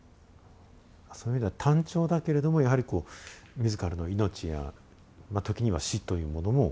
そういう意味では単調だけれどもやはりこう自らの命や時には死というものも。